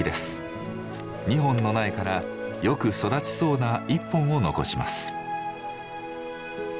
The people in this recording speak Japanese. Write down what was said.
２本の苗からよく育ちそうな１本を残します。